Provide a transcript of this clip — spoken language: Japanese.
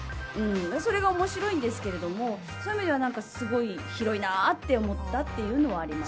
それが面白いんですけどそういう意味ではすごい広いなって思ったというのはあります。